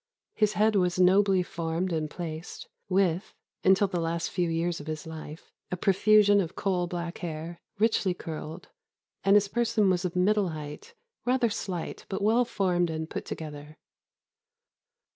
His head was nobly formed and placed, with (until the last few years of his life) a profusion of coal black hair, richly curled; and his person was of middle height, rather slight, but well formed and put together."